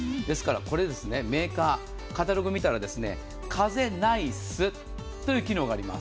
これ、メーカーのカタログ見たら風ないスという機能があります。